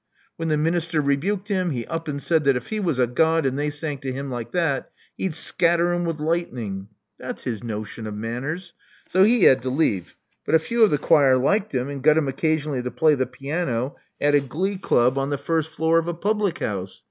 When the minister rebuked him, he up and said that if he was a God and they sang to him like that, he'd scatter 'em with light ning. That's his notion of manners. So he had to leave ; but a few of the choir liked him and got him occasionally to play the piano at a glee club on the 90 Love Among the Artists first floor of a public house.